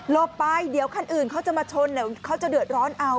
ไปเดี๋ยวคันอื่นเขาจะมาชนเดี๋ยวเขาจะเดือดร้อนเอา